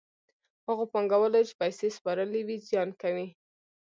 هغو پانګوالو چې پیسې سپارلې وي زیان کوي